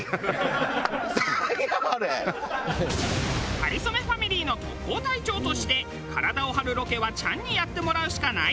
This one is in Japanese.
かりそめファミリーの特攻隊長として体を張るロケはチャンにやってもらうしかない！